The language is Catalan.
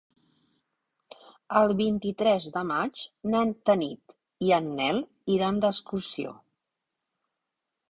El vint-i-tres de maig na Tanit i en Nel iran d'excursió.